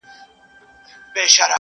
دا تور بدرنګه دا زامن د تیارو-